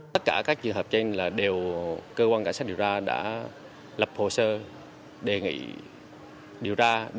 tất cả các trường hợp trên là đều cơ quan cảnh sát điều ra đã lập hồ sơ đề nghị điều ra